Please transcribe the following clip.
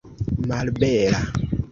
malbela